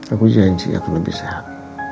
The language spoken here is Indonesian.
aku janji aku lebih sehat